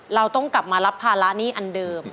เราต้องกลับมารับภาระหนี้อันเดิม